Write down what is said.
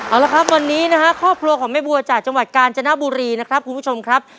เอาละครับวันนี้นะฮะครอบครัวของแม่บัวจากจังหวัดกาญจนบุรีนะครับคุณผู้ชมครับ